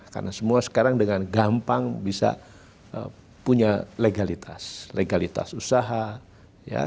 karena semua sekarang dengan gampang bisa punya legalitas legalitas usaha